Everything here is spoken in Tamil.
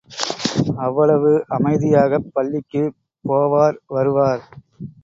அவ்வளவு அமைதியாகப் பள்ளிக்குப் போவார், வருவார்.